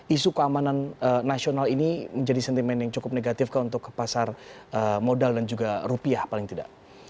isu keamanan nasional ini menjadi sentimen yang cukup negatif untuk pasar modal dan juga rupiah paling tidak